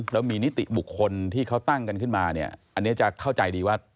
และมีนิติบุคนที่เขาตั้งกันขึ้นมาอันนี้เกียรติจะเข้าใจดีว่า